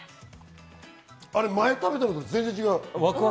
前食べたのと全然違う。